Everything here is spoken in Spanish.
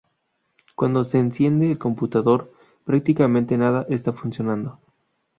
Cuando se enciende el computador prácticamente nada está funcionando.